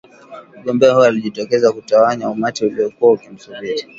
Mgombea huyo alijitokeza kutawanya umati uliokuwa ukimsubiri